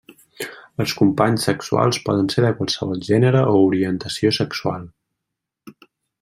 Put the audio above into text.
Els companys sexuals poden ser de qualsevol gènere o orientació sexual.